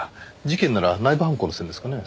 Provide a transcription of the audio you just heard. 事件なら内部犯行の線ですかね？